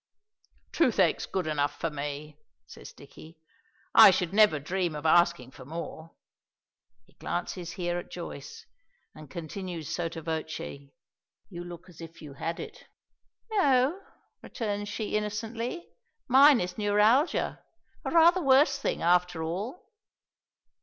"Toothache's good enough for me," says Dicky. "I should never dream of asking for more." He glances here at Joyce, and continues sotto voce, "You look as if you had it." "No," returns she innocently. "Mine is neuralgia. A rather worse thing, after all."